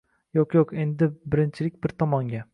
Yo‘q yoq’. Endi birinchilik bir tomonga